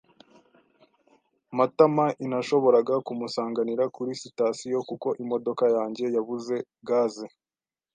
Matamainashoboraga kumusanganira kuri sitasiyo kuko imodoka yanjye yabuze gaze.